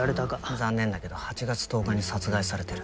残念だけど８月１０日に殺害されてる。